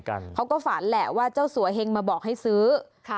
กันเขาก็ฝานแหละว่าเจ้าสวยเห็นมาบอกให้ซื้อค่ะก็